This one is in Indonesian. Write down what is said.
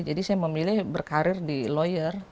jadi saya memilih berkarir di lawyer